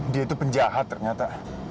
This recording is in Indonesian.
dia itu penjahat ternyata